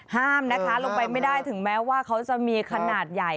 ห้ามนะคะลงไปไม่ได้ถึงแม้ว่าเขาจะมีขนาดใหญ่